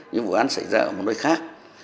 nhưng vụ án xảy ra ở một nơi khác